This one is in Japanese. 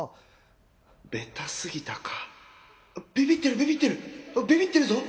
ビビってるビビってるビビってるぞ！